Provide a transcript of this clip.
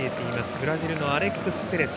ブラジルのアレックス・テレス。